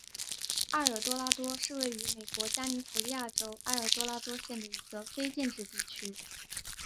埃尔多拉多是位于美国加利福尼亚州埃尔多拉多县的一个非建制地区。